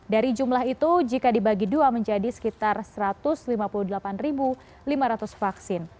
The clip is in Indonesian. dari jumlah itu jika dibagi dua menjadi sekitar satu ratus lima puluh delapan lima ratus vaksin